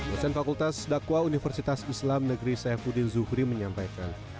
pesan fakultas dakwa universitas islam negeri saifuddin zuhri menyampaikan